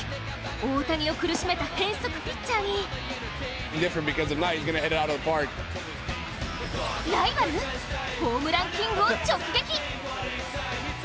大谷を苦しめた変則ピッチャーにライバルホームランキングを直撃！